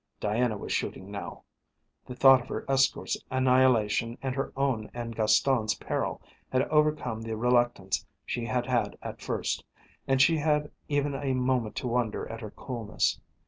Diana was shooting now. The thought of her escort's annihilation and her own and Gaston's peril had overcome the reluctance she had had at first, and she had even a moment to wonder at her coolness.